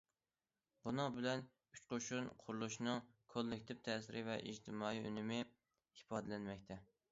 بۇنىڭ بىلەن« ئۈچ قوشۇن» قۇرۇلۇشىنىڭ كوللېكتىپ تەسىرى ۋە ئىجتىمائىي ئۈنۈمى ئىپادىلەنمەكتە.